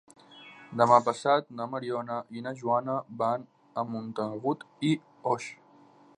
Demà passat na Mariona i na Joana van a Montagut i Oix.